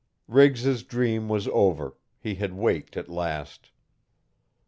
Riggs's dream was over he had waked at last.